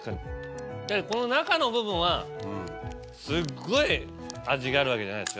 この中の部分はすっごい味があるわけじゃないですよ。